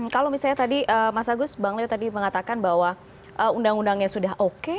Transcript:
kalau misalnya tadi mas agus bang leo tadi mengatakan bahwa undang undangnya sudah oke